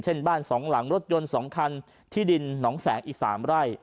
บ้าน๒หลังรถยนต์๒คันที่ดินหนองแสงอีก๓ไร่